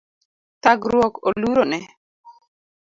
Thagruok oluro ne